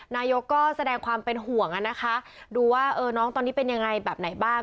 นายกก็แสดงความเป็นห่วงนะคะดูว่าน้องตอนนี้เป็นยังไงแบบไหนบ้าง